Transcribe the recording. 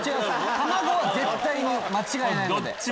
卵は絶対に間違いないので。